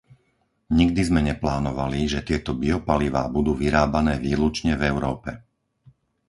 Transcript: Nikdy sme neplánovali, že tieto biopalivá budú vyrábané výlučne v Európe.